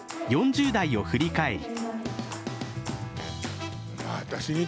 ４０代を振り返り。